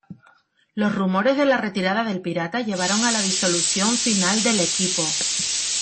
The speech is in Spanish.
Los rumores de la retirada del "Pirata" llevaron a la disolución final del equipo.